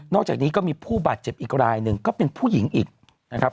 อกจากนี้ก็มีผู้บาดเจ็บอีกรายหนึ่งก็เป็นผู้หญิงอีกนะครับ